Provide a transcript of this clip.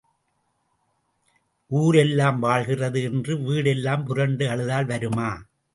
ஊர் எல்லாம் வாழ்கிறது என்று வீடு எல்லாம் புரண்டு அழுதால் வருமா?